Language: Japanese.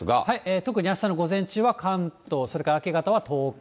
特にあしたの午前中は関東、それから明け方は東海。